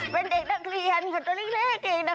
เป็นเด็กนักเรียนคนนี้เด้อเองนะคะ